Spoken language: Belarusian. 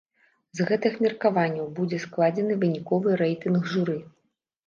З гэтых меркаванняў будзе складзены выніковы рэйтынг журы.